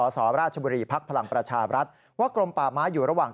สรปแพรัชารัฐว่ากรมปาไม้อยู่ระหว่าง